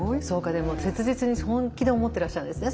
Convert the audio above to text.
でも切実に本気で思ってらっしゃるんですね